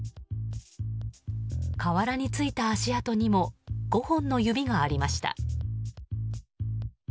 瓦についた足跡にも５本の指がありました。